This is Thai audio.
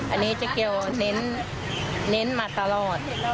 อันนี้เจ๊เกียวเน้นมาตลอด